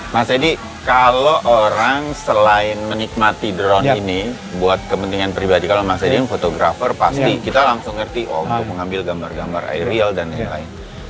mas edi kalau orang selain menikmati drone ini buat kepentingan pribadi kalau mas edi yang fotografer pasti kita langsung ngerti oh untuk mengambil gambar gambar aerial dan lain lain